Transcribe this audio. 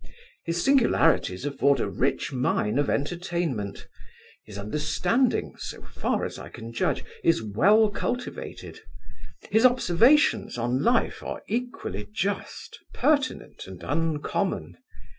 His singularities afford a rich mine of entertainment; his understanding, so far as I can judge, is well cultivated; his observations on life are equally just, pertinent, and uncommon.